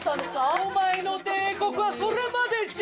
お前の帝国はそれまでじゃ。